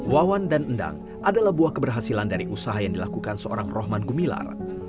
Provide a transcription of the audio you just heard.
wawan dan endang adalah buah keberhasilan dari usaha yang dilakukan seorang rohman gumilar